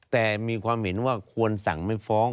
แต่มีความเห็นว่าควรสั่งไม่ฟ้อง